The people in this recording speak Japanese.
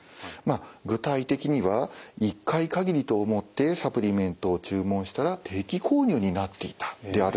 具体的には１回限りと思ってサプリメントを注文したら定期購入になっていたであるとか。